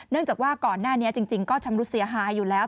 จากว่าก่อนหน้านี้จริงก็ชำรุดเสียหายอยู่แล้ว